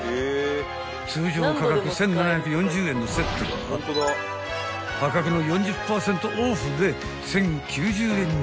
［通常価格１，７４０円のセットが破格の４０％オフで１，０９０円に］